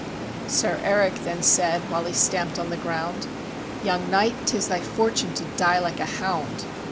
Sir Erik then said, while he stamp'd on the ground, "Young knight, 't is thy fortune to die like a hound.